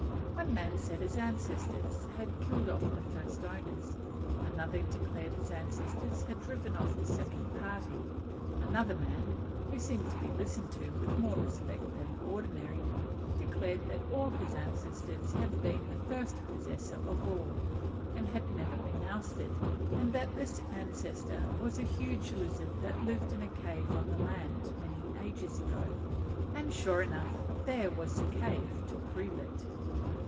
One man said his ancestors had killed off the first owners; another declared his ancestors had driven off the second party; another man, who seemed to be listened to with more respect than ordinary, declared that his ancestor had been the first possessor of all, and had never been ousted, and that this ancestor was a huge lizard that lived in a cave on the land many ages ago: and, sure enough, there was the cave to prove it.